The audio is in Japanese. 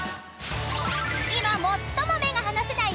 ［今最も目が離せない